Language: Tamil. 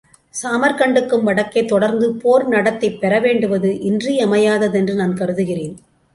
சாமர்க்ண்டுக்கும் வடக்கே தொடர்ந்து போர் நடத்திப் பெற வேண்டுவது இன்றியமையாததென்று நான் கருதுகிறேன்.